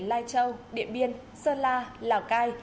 lai châu điện biên sơn la lào cai